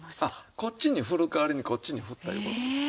こっちにふる代わりにこっちにふったいう事ですよ。